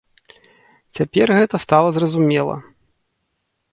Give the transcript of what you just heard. Цяпер гэта стала зразумела.